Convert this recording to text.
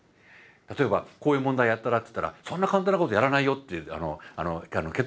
例えば「こういう問題やったら？」って言ったら「そんな簡単なことやらないよ」って蹴飛ばす学生もいました。